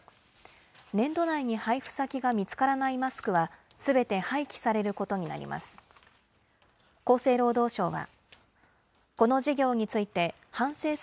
年度内に配布先が見つからないマスクは、すべて廃棄されることになります。